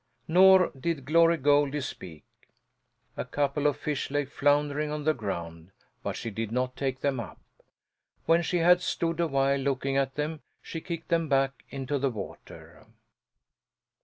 Nor did Glory Goldie speak. A couple of fish lay floundering on the ground, but she did not take them up; when she had stood a while looking at them, she kicked them back into the water.